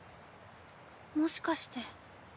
もしかして。